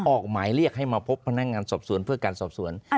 ออกมายเรียกให้มาพบภาพนักงานที่สอบสวน